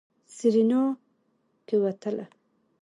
سېرېنا کېوتله.